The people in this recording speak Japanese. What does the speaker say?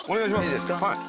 いいですか。